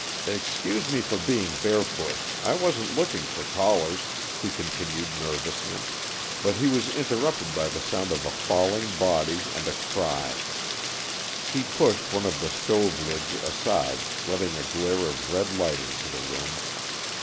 "Excuse me for being bare foot; I wasn't looking for callers," he continued nervously, but he was interrupted by the sound of a falling body and a cry. He pushed one of the stove lids aside, letting a glare of red light into the room.